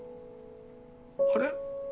あれ？